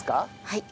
はい。